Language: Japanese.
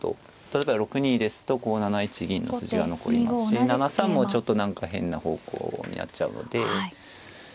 例えば６二ですとこう７一銀の筋が残りますし７三もちょっと何か変な方向になっちゃうので。